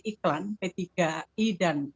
iklan p tiga i dan